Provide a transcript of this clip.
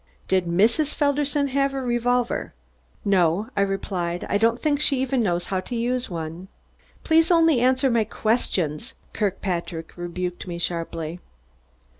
"Did Mrs. Felderson have a revolver?" "No," I replied, "I don't think she even knows how to use one." "Please only answer my questions!" Kirkpatrick rebuked me sharply.